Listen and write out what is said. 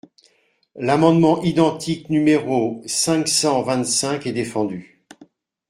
L’amendement identique numéro cinq cent vingt-cinq est défendu.